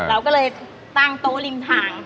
เราก็เลยตั้งโต๊ะริมทาง